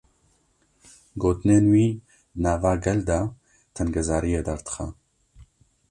Gotinên wî, di nava gel de tengezariyê derdixe